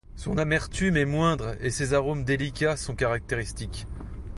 Son amertume est moindre et ses arômes délicats sont caractéristiques.